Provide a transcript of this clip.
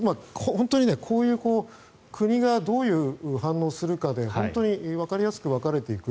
本当にこういう国がどういう反応をするかでわかりやすく分かれていく。